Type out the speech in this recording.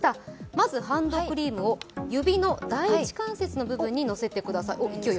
まずハンドクリームを指の第一関節の部分にのせてください。